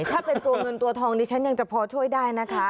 ถ้าเป็นตัวเงินตัวทองดิฉันยังจะพอช่วยได้นะคะ